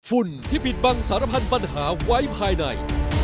ฝุ่นที่บิดบังสารพันธ์ปัญหาไว้ภายใน